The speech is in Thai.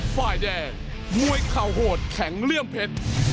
ฝ่ายแดงมวยเข่าโหดแข็งเลื่อมเพชร